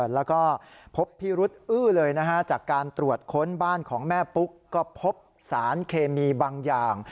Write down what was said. แล้วก็พบพิรุษอื้อเลยนะฮะจากการตรวจค้นบ้านของแม่ปุ๊กก็พบสารเคมีบางอย่าง